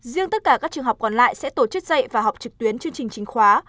riêng tất cả các trường học còn lại sẽ tổ chức dạy và học trực tuyến chương trình chính khóa